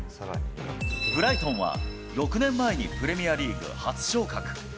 ブライトンは６年前にプレミアリーグ初昇格。